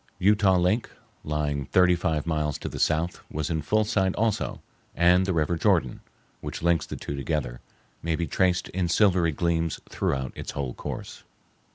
Utah Lake, lying thirty five miles to the south, was in full sight also, and the river Jordan, which links the two together, may be traced in silvery gleams throughout its whole course.